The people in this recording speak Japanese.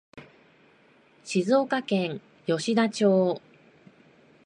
静岡県吉田町